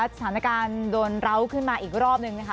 สถานการณ์โดนเหล้าขึ้นมาอีกรอบนึงนะคะ